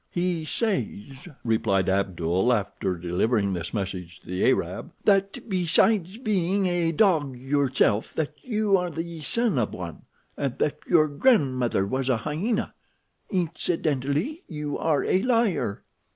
"He says," replied Abdul, after delivering this message to the Arab, "that besides being a dog yourself that you are the son of one, and that your grandmother was a hyena. Incidentally you are a liar."